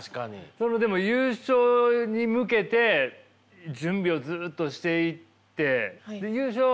それでも優勝に向けて準備をずっとしていって優勝